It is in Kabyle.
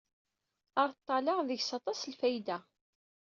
Areḍḍal-a deg-s aṭas n lfayda.